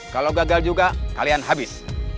kalau gagal juga kalian habis